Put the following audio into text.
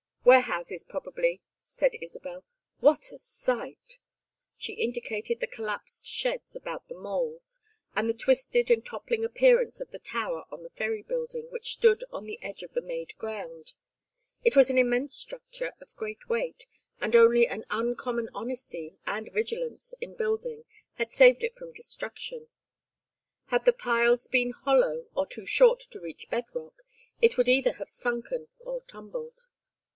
"Warehouses, probably," said Isabel. "What a sight!" She indicated the collapsed sheds about the moles, and the twisted and toppling appearance of the tower on the Ferry Building, which stood on the edge of the made ground. It was an immense structure of great weight, and only an uncommon honesty and vigilance in building had saved it from destruction. Had the piles been hollow, or too short to reach bed rock, it would either have sunken or tumbled.